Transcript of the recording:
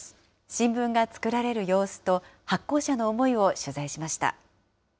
新聞が作られる様子と、発行者の思いを取材しました。